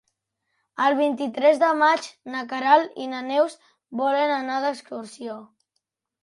El vint-i-tres de maig na Queralt i na Neus volen anar d'excursió.